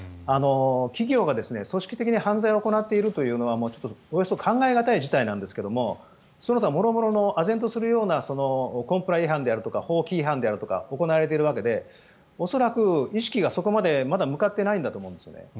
企業が組織的に犯罪を行っているというのはおよそ考えづらい事態なんですがその他もろもろ考えられないようなコンプラ違反とか法規違反であるとかが行われているわけで恐らく意識がそこまでまだ向かっていないんだと思うんですね。